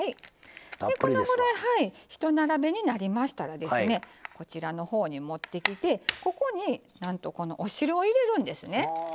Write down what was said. このぐらいひと並べになりましたらですねこちらのほうに持ってきてここになんとこのお汁を入れるんですね。